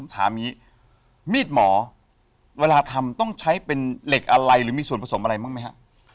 ถามอย่างนี้มีดหมอเวลาทำต้องใช้เป็นเหล็กอะไรหรือมีส่วนผสมอะไรบ้างไหมครับ